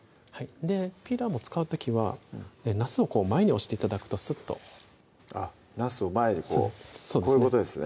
ピーラーも使う時はなすを前に押して頂くとスッとあっなすを前にこうこういうことですね